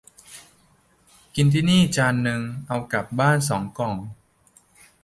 กินที่นี่จานนึง เอากลับสองกล่อง